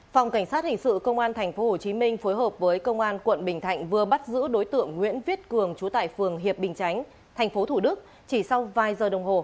phòng cảnh sát hình sự công an tp hcm phối hợp với công an quận bình thạnh vừa bắt giữ đối tượng nguyễn viết cường chú tại phường hiệp bình chánh tp thủ đức chỉ sau vài giờ đồng hồ